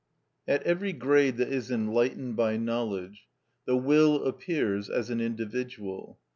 At every grade that is enlightened by knowledge, the will appears as an individual.